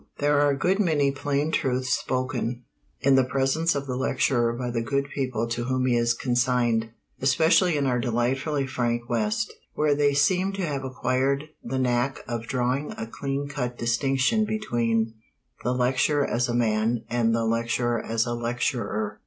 There are a good many plain truths spoken in the presence of the lecturer by the good people to whom he is consigned, especially in our delightfully frank West, where they seem to have acquired the knack of drawing a clean cut distinction between the lecturer as a man and the lecturer as a lecturer.